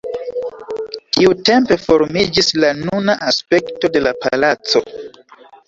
Tiutempe formiĝis la nuna aspekto de la palaco.